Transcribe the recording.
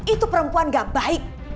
itu perempuan enggak baik